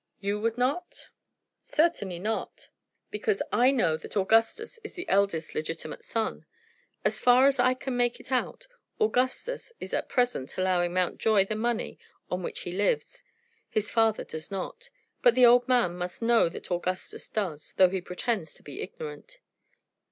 "You would not?" "Certainly not, because I know that Augustus is the eldest legitimate son. As far as I can make it out, Augustus is at present allowing Mountjoy the money on which he lives. His father does not. But the old man must know that Augustus does, though he pretends to be ignorant."